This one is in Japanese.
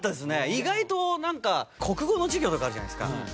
意外と国語の授業とかあるじゃないですか。